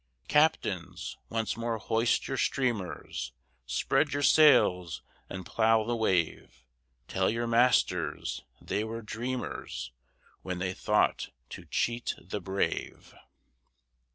Captains! once more hoist your streamers, Spread your sails, and plough the wave; Tell your masters they were dreamers, When they thought to cheat the brave.